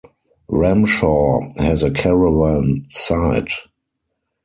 Ramshaw has a caravan site.